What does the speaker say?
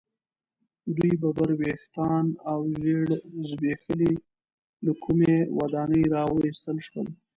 دوی ببر ویښتان او ژیړ زبیښلي له کومې ودانۍ را ویستل شول.